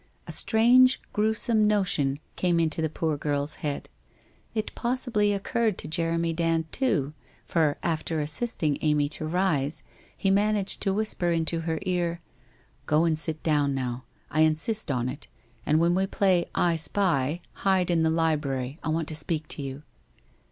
A strange, gruesome notion came into the poor girl's head. It possibly occurred to Jeremy Dand, too, for after assisting Amy to rise, he managed to whisper into her ear: ' Go and sit down now. I insist on it. And when we play " I spy " hide in the library, I want to speak to you.'